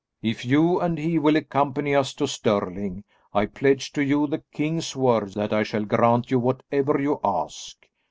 If you and he will accompany us to Stirling, I pledge to you the king's word that I shall grant you whatever you ask.